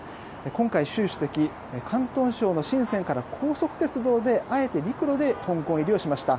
今回、習主席広東省のシンセンから高速鉄道で、あえて陸路で香港入りをしました。